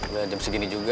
udah jam segini juga